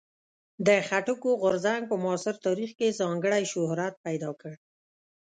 د خټکو غورځنګ په معاصر تاریخ کې ځانګړی شهرت پیدا کړ.